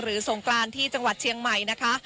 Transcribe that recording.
สงกรานที่จังหวัดเชียงใหม่นะคะ